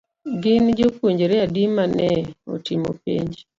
Gin jopuonjre adi mane otim penj.